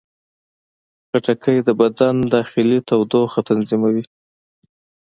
خټکی د بدن داخلي تودوخه تنظیموي.